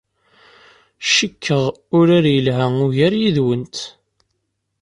Cikkeɣ urar yelha ugar yid-went.